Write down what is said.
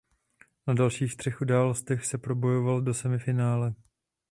Na dalších třech událostech se probojoval do semifinále.